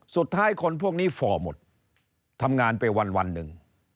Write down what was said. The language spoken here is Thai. สุดท้ายคนพวกนี้ฟ่อหมดทำงานไปวันนึง